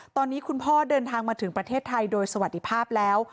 ตอนนี้คุณพ่อเดินทางมาถึงประเทศไทยโดยสวัสดีภาพแล้ว